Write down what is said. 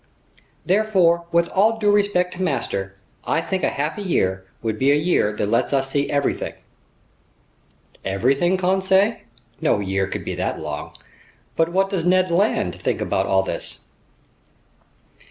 "Therefore, with all due respect to master, I think a 'happy year' would be a year that lets us see everything—" "Everything, Conseil? No year could be that long. But what does Ned Land think about all this?"